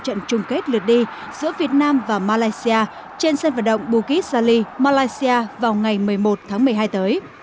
trận chung kết lượt đi giữa việt nam và malaysia trên sân vận động bukisali malaysia vào ngày một mươi một tháng một mươi hai tới